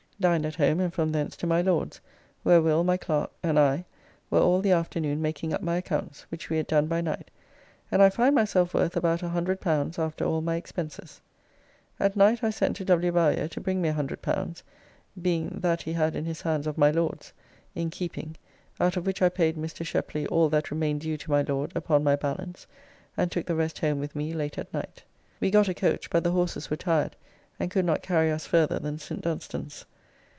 Dined at home and from thence to my Lord's where Will, my clerk, and I were all the afternoon making up my accounts, which we had done by night, and I find myself worth about L100 after all my expenses. At night I sent to W. Bowyer to bring me L100, being that he had in his hands of my Lord's. in keeping, out of which I paid Mr. Sheply all that remained due to my Lord upon my balance, and took the rest home with me late at night. We got a coach, but the horses were tired and could not carry us farther than St. Dunstan's.